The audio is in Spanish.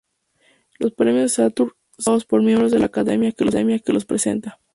Los Premios Saturn son votados por miembros de la Academia que los presenta.